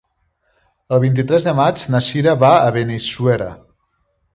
El vint-i-tres de maig na Cira va a Benissuera.